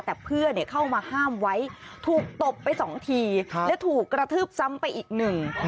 แต่เพื่อนเข้ามาห้ามไว้ถูกตบไปสองทีและถูกกระทืบซ้ำไปอีกหนึ่ง